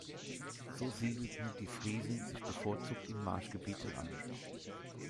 So siedelten die Friesen sich bevorzugt in Marschgebieten an.